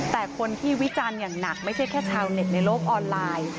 แต่คนที่วิจารณ์อย่างหนักไม่ใช่แค่ชาวเน็ตในโลกออนไลน์